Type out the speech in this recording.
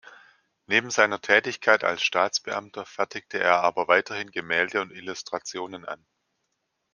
Neben seiner Tätigkeit als Staatsbeamter fertigte er aber weiterhin Gemälde und Illustrationen an.